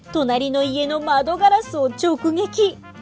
隣の家の窓ガラスを直撃。